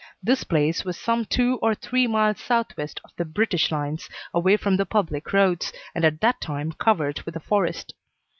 This place was some two or three miles southwest of the British lines, away from the public roads, and at that time covered with a forest.